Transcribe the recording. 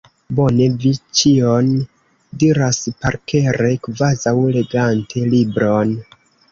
Bone vi ĉion diras parkere, kvazaŭ legante libron!